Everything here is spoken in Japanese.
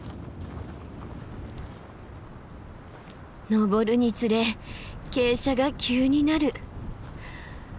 登るにつれ傾斜が急になる。